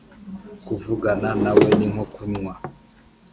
kuvugana nawe ni nko kunywa